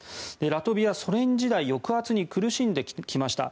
ラトビア、ソ連時代は抑圧に苦しんできました。